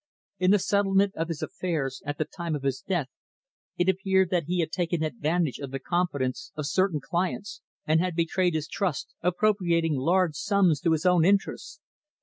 In the settlement of his affairs, at the time of his death, it appeared that he had taken advantage of the confidence of certain clients and had betrayed his trust; appropriating large sums to his own interests.